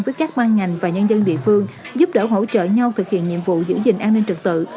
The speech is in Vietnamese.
với các ban ngành và nhân dân địa phương giúp đỡ hỗ trợ nhau thực hiện nhiệm vụ giữ gìn an ninh trực tự